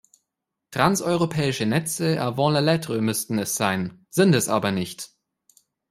Transeuropäische Netze avant la lettre müssten es sein, sind es aber nicht.